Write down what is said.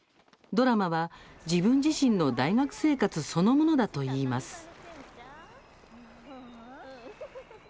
ドラマは自分自身の大学生活そのものだといいます。